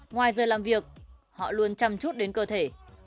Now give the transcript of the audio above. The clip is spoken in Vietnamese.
ngoài giờ làm việc họ luôn chăm chút đến cơ thể